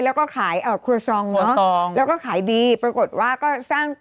แล้วก็ขายเอ่อครัวซองเนอะซองแล้วก็ขายดีปรากฏว่าก็สร้าง